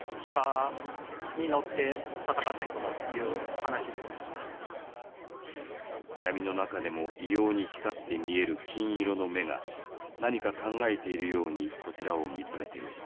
オーディブルで「闇の中でも異様に光って見える金色の目がなにか考えているようにこちらを見つめている。